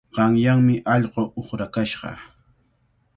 Qanyanmi allqu uqrakashqa.